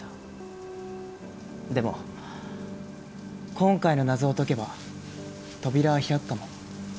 でも今回の謎を解けば扉は開くかも。